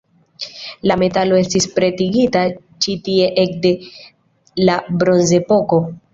La metalo estis pretigita ĉi tie ekde la Bronzepoko.